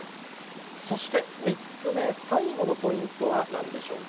そして３つ目、最後のポイントはなんでしょうか。